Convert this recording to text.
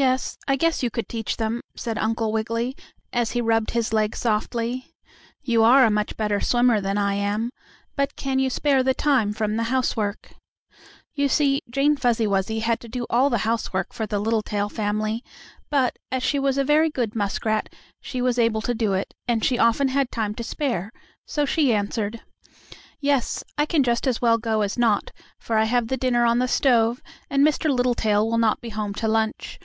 "Yes, I guess you could teach them," said Uncle Wiggily, as he rubbed his leg softly. "You are a much better swimmer than I am; but can you spare the time from the housework?" You see, Jane Fuzzy Wuzzy had to do all the housework for the Littletail family, but, as she was a very good muskrat, she was able to do it, and she often had time to spare, so she answered: "Yes, I can just as well go as not, for I have the dinner on the stove, and Mr. Littletail will not be home to lunch.